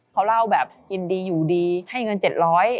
เค้าเล่าแบบยินดีอยู่ดีให้เงินเจ็ดร้อย